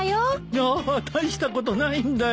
いや大したことないんだよ。